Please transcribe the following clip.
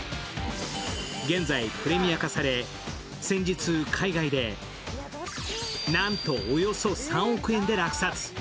現在プレミア化され先日、海外でなんとおよそ３億円で落札。